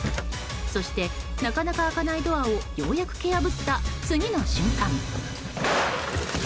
そして、なかなか開かないドアをようやく蹴破った次の瞬間。